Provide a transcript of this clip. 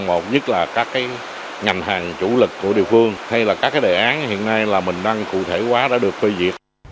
một nhất là các ngành hàng chủ lực của địa phương hay là các đề án hiện nay là mình đang cụ thể hóa đã được phê diệt